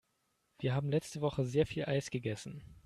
Wir haben letzte Woche sehr viel Eis gegessen.